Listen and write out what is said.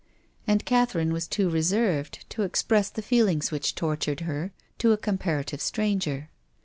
And Catherine was too reserved to express the feelings which tortured her to a comparative stranger.